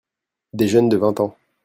Des jeunes de vingt ans.